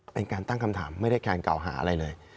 เป็นการตั้งคำถามไม่ได้การกล่าวหาอะไรเลย